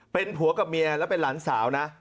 เป็นผัวกับเมียและเป็นหลานสาวนะ